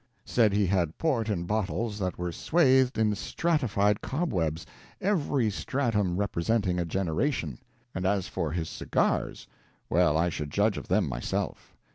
Said he had port in bottles that were swathed in stratified cobwebs, every stratum representing a generation. And as for his cigars well, I should judge of them myself.